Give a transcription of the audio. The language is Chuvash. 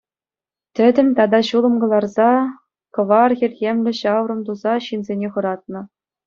Тӗтӗм тата ҫулӑм кӑларса, кӑвар хӗлхемлӗ ҫаврӑм туса ҫынсене хӑратнӑ.